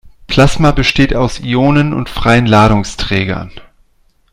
Plasma besteht aus Ionen und freien Ladungsträgern.